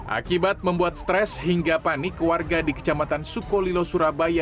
akibat membuat stres hingga panik warga di kecamatan sukolilo surabaya